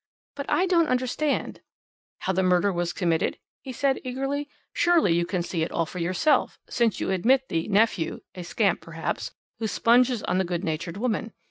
"But I don't understand " "How the murder was committed?" he said eagerly. "Surely you can see it all for yourself, since you admit the 'nephew' a scamp, perhaps who sponges on the good natured woman.